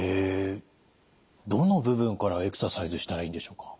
どの部分からエクササイズしたらいいんでしょうか。